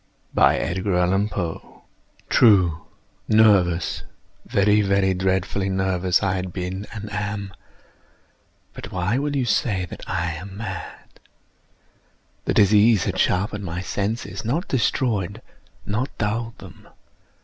True!—nervous—very, very dreadfully nervous I had been and am; but why will you say that I am mad? The disease had sharpened my senses—not destroyed—not dulled them.